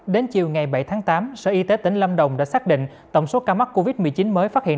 đến chiều ngày bảy tháng tám sở y tế tỉnh lâm đồng đã xác định tổng số ca mắc covid một mươi chín mới phát hiện